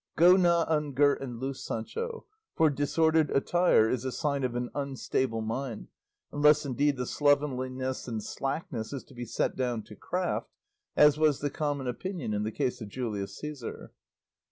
"Go not ungirt and loose, Sancho; for disordered attire is a sign of an unstable mind, unless indeed the slovenliness and slackness is to be set down to craft, as was the common opinion in the case of Julius Caesar.